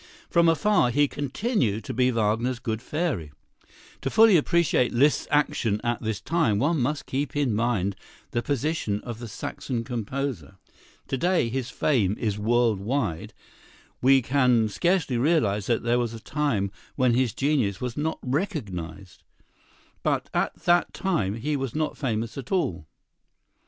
From afar he continued to be Wagner's good fairy. To fully appreciate Liszt's action at this time, one must keep in mind the position of the Saxon composer. To day his fame is world wide; we can scarcely realize that there was a time when his genius was not recognized, but at that time he was not famous at all.